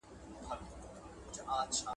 د دلارام د سیند اوبه د هامون صابري خواته بهېږي